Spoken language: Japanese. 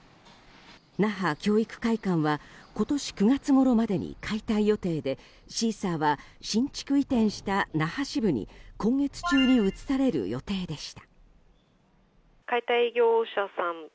那覇教育会館は今年９月ごろまでに解体予定でシーサーは新築移転した那覇支部に今月中に移される予定でした。